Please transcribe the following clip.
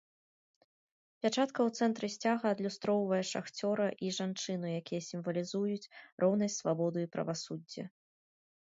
Пячатка у цэнтры сцяга адлюстроўвае шахцёра і жанчыну, якія сімвалізуюць роўнасць, свабоду і правасуддзе.